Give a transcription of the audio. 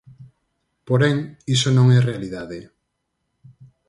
Porén, iso non é realidade.